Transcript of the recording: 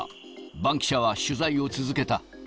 バンキシャは取材を続けた。